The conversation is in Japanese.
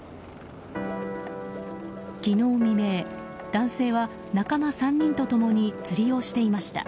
昨日未明、男性は仲間３人と共に釣りをしていました。